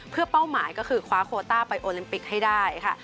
เพื่อเป้าหมายก็คือคว้าโคต้าไปโอลิมปิกให้ได้ค่ะ